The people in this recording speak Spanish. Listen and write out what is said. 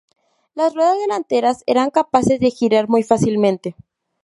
Las ruedas delanteras eran capaces de girar muy fácilmente.